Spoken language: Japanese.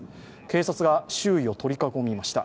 警察が周囲を取り囲みました。